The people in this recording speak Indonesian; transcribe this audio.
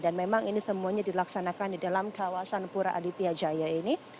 dan memang ini semuanya dilaksanakan di dalam kawasan pura aditya jaya ini